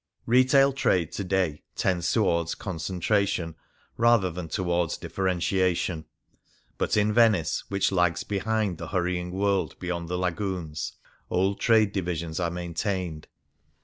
Retail trade to day tends towards concentra tion rather than towards differentiation ; but in Venice, which lags behind the hurrying world beyond the lagoons, old trade divisions are maintained.